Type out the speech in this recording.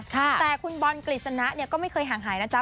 แต่คุณบอลกฤษณะเนี่ยก็ไม่เคยห่างหายนะจ๊